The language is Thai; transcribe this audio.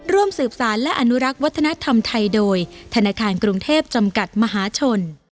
ร่วมสืบสารและอนุรักษ์วัฒนธรรมไทยโดยธนาคารกรุงเทพจำกัดมหาชน